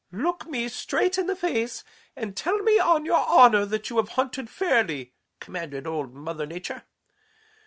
"'Look me straight in the face and tell me on your honor that you have hunted fairly,' commanded Old Mother Nature.